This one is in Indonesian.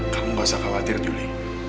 kamu gak usah khawatir juli